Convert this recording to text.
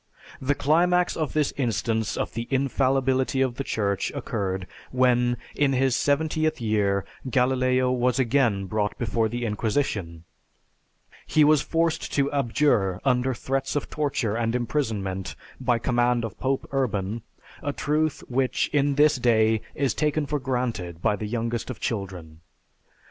The climax of this instance of the infallibility of the Church occurred when in his seventieth year Galileo was again brought before the Inquisition; he was forced to abjure under threats of torture and imprisonment by command of Pope Urban a truth which, in this day, is taken for granted by the youngest of children.